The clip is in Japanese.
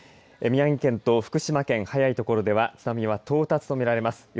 宮城県と福島県早い所では津波が到達とみられます。